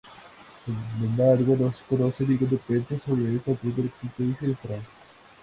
Sin embargo, no se conoce ningún documento sobre esta primera existencia en Francia.